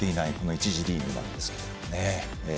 １次リーグなんですけどね。